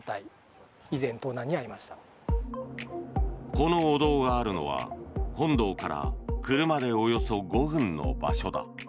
このお堂があるのは、本堂から車でおよそ５分の場所だ。